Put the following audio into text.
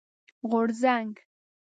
غورځنګ